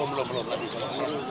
belum belum belum